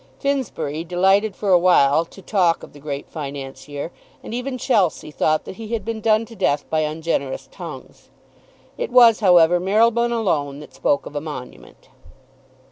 Finsbury delighted for a while to talk of the great Financier, and even Chelsea thought that he had been done to death by ungenerous tongues. It was, however, Marylebone alone that spoke of a monument.